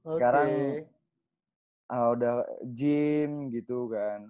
sekarang udah gym gitu kan